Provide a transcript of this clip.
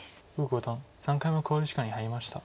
呉五段３回目の考慮時間に入りました。